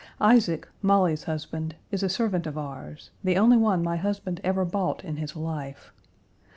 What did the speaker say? Isaac, Molly's husband, is a servant of ours, the only one my husband ever bought in his life.